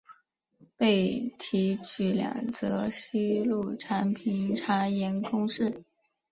被提举两浙西路常平茶盐公事。